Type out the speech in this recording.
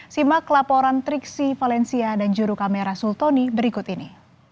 simak laporan triksi valencia dan juru kamera sultoni berikut ini